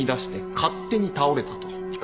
勝手に倒れた？